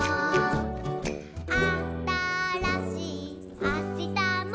「あたらしいあしたも」